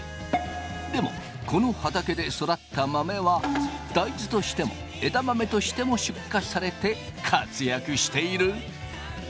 でもこの畑で育った豆は大豆としても枝豆としても出荷されて活躍している。